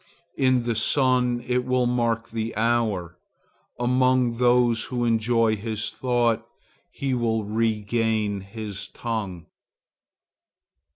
In the sun it will mark the hour. Among those who enjoy his thought he will regain his tongue.